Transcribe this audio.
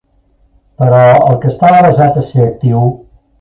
Però el que està avesat a ser actiu...